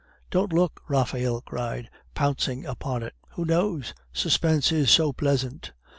"Don't look!" Raphael cried, pouncing upon it. "Who knows? Suspense is so pleasant."